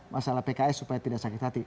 masalah pks supaya tidak sakit hati